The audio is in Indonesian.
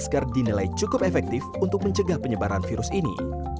masker dinilai cukup efektif untuk mencegah penyebaran virus ini